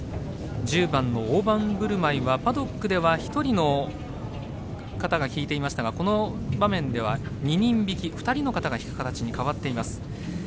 １０番オオバンブルマイはパドックでは１人の方が引いていましたがこの場面では２人引き２人の方が引く形に変わっています。